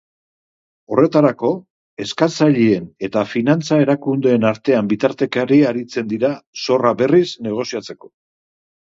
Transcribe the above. Horretarako, eskatzaileen eta finantza-erakundeen artean bitartekari aritzen dira, zorra berriz negoziatzeko.